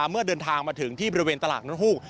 เมื่อเดินทางมาถึงที่บริเวณตลาดน้ำฮูก